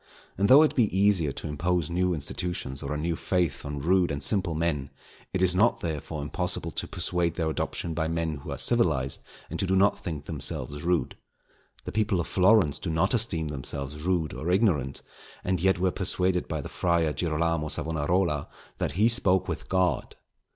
And though it be easier to impose new institutions or a new faith on rude and simple men, it is not therefore impossible to persuade their adoption by men who are civilized, and who do not think themselves rude. The people of Florence do not esteem themselves rude or ignorant, and yet were persuaded by the Friar Girolamo Savonarola that he spoke with God.